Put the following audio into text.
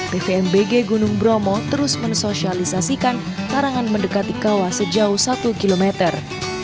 pvmbg gunung bromo terus mensosialisasikan larangan mendekati kawah sejauh satu kilometer